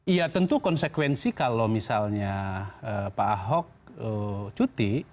iya tentu konsekuensi kalau misalnya pak ahok cuti